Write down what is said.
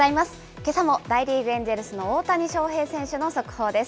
けさも大リーグ・エンジェルスの大谷翔平選手の速報です。